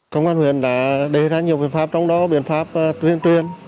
công an huyện đã đề ra nhiều biện pháp trong đó biện pháp tuyên truyền